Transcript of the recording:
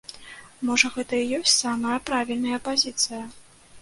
Можа гэта і ёсць самая правільная пазіцыя?